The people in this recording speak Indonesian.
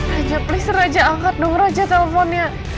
hanya please raja angkat dong raja telponnya